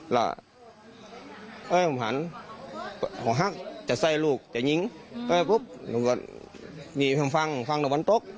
แล้วผมหันหักจะใส่ลูกจะยิงปุ๊บมีฟังฟังตรงบนตรก